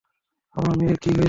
আমার মেয়ের কী হয়েছে?